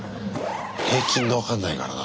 平均が分かんないからな。